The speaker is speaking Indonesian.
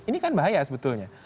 ini kan bahaya sebetulnya